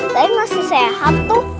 tapi masih sehat tuh